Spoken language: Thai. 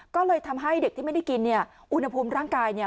ก็เลยทำให้เด็กที่ไม่ได้กินเนี่ยอุณหภูมิร่างกายเนี่ย